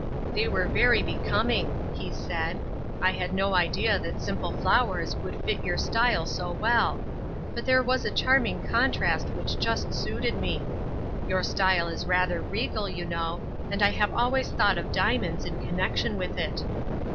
" They were very becoming, " he said ;" I had no idea that simple flowers would fit your style so well; but there was a charming contrast which just suited me. Your style is rather regal, you know, and I have always thought of diamonds in connection with it.